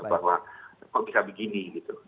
bahwa kok bisa begini gitu